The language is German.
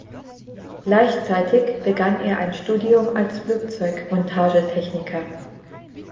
Gleichzeitig begann er ein Studium als Flugzeug-Montagetechniker.